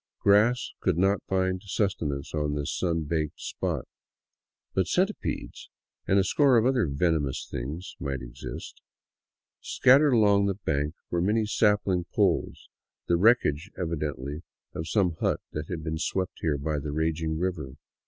Grass could not find sustenance on this sun baked spot, but centi pedes and a score of other venomous things might exist. Scattered along the bank were many sapling poles, the wreckage, evidently, of some hut that had been swept here by the raging river.